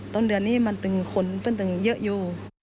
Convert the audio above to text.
ตอนเดือนนี้มันคือคนเป็นตังค์เยอะอยู่